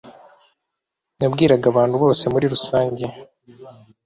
nabwiraga abantu bose muri rusange"